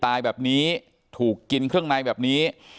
ตายแบบนี้ถูกกินเครื่องในแบบนี้